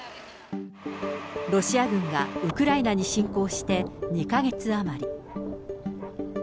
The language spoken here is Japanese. ロシア軍がウクライナに侵攻して２か月余り。